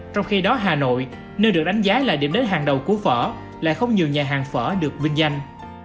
trong khi đó hà nội nơi được đánh giá là điểm đến hàng đầu của phở lại không nhiều nhà hàng phở được vinh danh